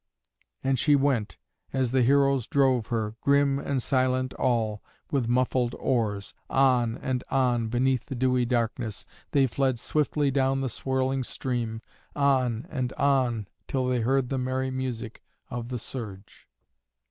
And she went, as the heroes drove her, grim and silent all, with muffled oars. On and on, beneath the dewy darkness, they fled swiftly down the swirling stream, on and on till they heard the merry music of the surge.